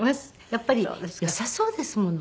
やっぱりよさそうですもの。